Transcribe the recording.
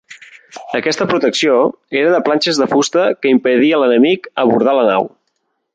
Aquesta protecció era de planxes de fusta que impedia a l'enemic abordar la nau.